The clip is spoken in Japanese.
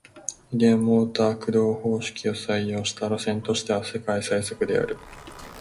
リニアモーター駆動方式を採用した路線としては世界最速である